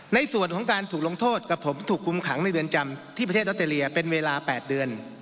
ในส่วนของการถูกลงโทษกับผมถูกคุมขังในเรือนจำที่ประเทศออสเตรเลียเป็นเวลา๘เดือน